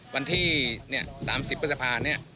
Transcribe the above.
วันที่๓๐พฤษภาณ